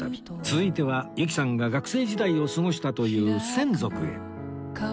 続いては由紀さんが学生時代を過ごしたという洗足へ